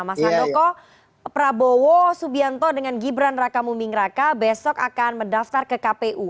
mas handoko prabowo subianto dengan gibran raka buming raka besok akan mendaftar ke kpu